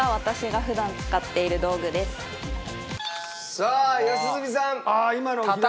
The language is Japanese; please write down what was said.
さあ良純さん。